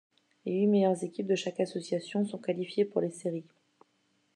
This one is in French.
Les huit meilleures équipes de chaque association sont qualifiées pour les séries.